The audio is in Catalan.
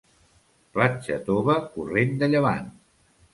Platja tova, corrent de llevant.